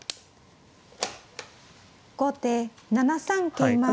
後手７三桂馬。